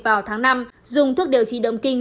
vào tháng năm dùng thuốc điều trị động kinh